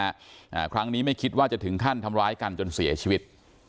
อ่าครั้งนี้ไม่คิดว่าจะถึงขั้นทำร้ายกันจนเสียชีวิต